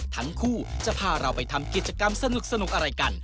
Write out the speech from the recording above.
ทั้งคู่จะพาเราไปทำกิจกรรมสนุกอะไรกัน